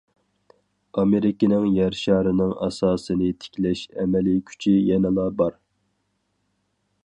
ئامېرىكىنىڭ يەر شارىنىڭ ئاساسىنى تىكلەش ئەمەلىي كۈچى يەنىلا بار.